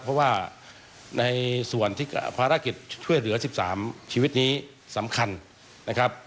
เพราะว่าในส่วนที่ภารกิจช่วยเหลือ๑๓ชีวิตนี้สำคัญนะครับ